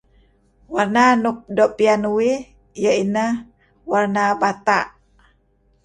Warna nuk doo' piyan uih ieh ineh warna bata'.